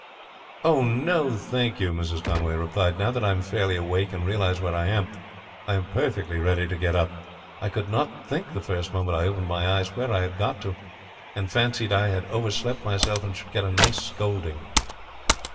"Oh, no, thank you," Mrs. Conway replied. "Now that I am fairly awake and realize where I am, I am perfectly ready to get up. I could not think the first moment I opened my eyes where I had got to, and fancied I had overslept myself and should get a nice scolding."